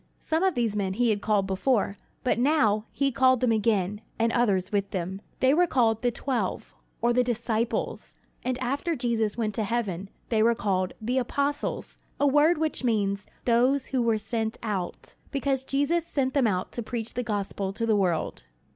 Some of these men he had called before; but now he called them again, and others with them. They were called "The Twelve," or "the disciples"; and after Jesus went to heaven, they were called "The Apostles," a word which means "those who were sent out," because Jesus sent them out to preach the gospel to the world.